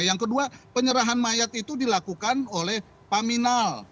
yang kedua penyerahan mayat itu dilakukan oleh paminal